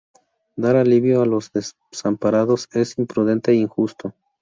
Dar alivio a los desamparados es imprudente e injusto.